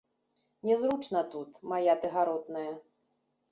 Не зручна тут, мая ты гаротная.